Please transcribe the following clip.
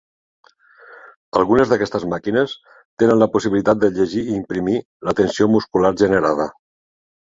Algunes d'aquestes màquines tenen la possibilitat de llegir i imprimir la tensió muscular generada.